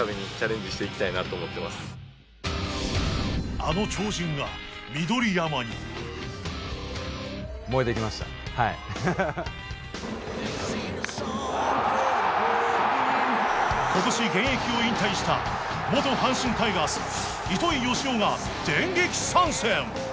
あの超人が緑山に今年現役を引退した元阪神タイガース糸井嘉男が電撃参戦！